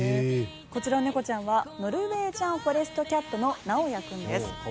こちらの猫ちゃんはノルウェージャン・フォレスト・キャットの直哉君です。